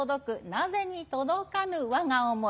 なぜに届かぬわが思い」。